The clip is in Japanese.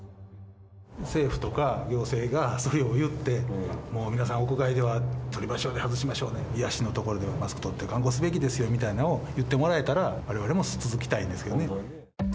政府とか行政がそれを言って、もう皆さん、屋外では取りましょうね、外しましょうね、癒やしのところではマスクを取って観光すべきですよみたいなのを言ってもらえたら、われわれも続きたいんですけどね。